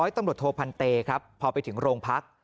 ตำรวจโทพันเตครับพอไปถึงโรงพัก